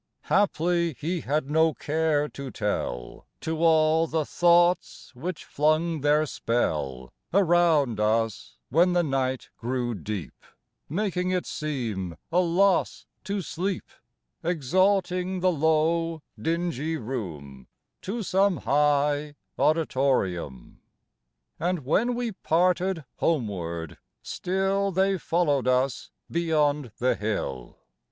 Haply he had no care to tell To all the thoughts which flung their spell Around us when the night grew deep, Making it seem a loss to sleep, Exalting the low, dingy room To some high auditorium. And when we parted homeward, still They followed us beyond the hill.